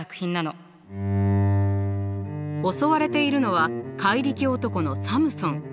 襲われているのは怪力男のサムソン。